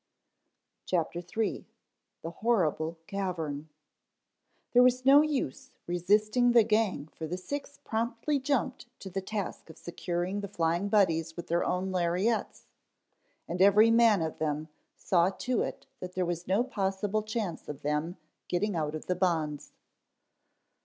CHAPTER III. THE HORRIBLE CAVERN There was no use resisting the gang for the six promptly jumped to the task of securing the Flying Buddies with their own lariats, and every man of them saw to it that there was no possible chance of them getting out of the bonds.